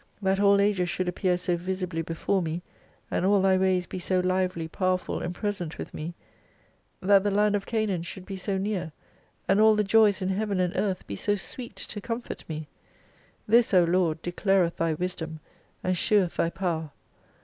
That all ages should appear so visibly before me, and all Thy ways be so lively, powerful, and present with me, that the land of Canaan should be so near, and all the joys in heaven and earth be so sweet to comfort me ! This, O Lord, declareth Thy wisdom, and sheweth Thy power.